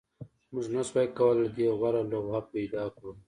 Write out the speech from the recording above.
موږ نشوای کولی له دې غوره لوحه پیدا کړو